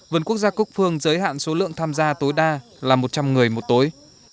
vườn quốc gia cúc phương giới hạn số lượng tham gia tối đa là một trăm linh người một tối